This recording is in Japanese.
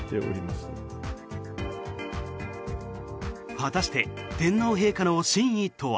果たして天皇陛下の真意とは。